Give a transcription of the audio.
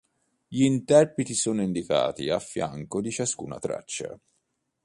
Gli interpreti sono indicati a fianco di ciascuna traccia.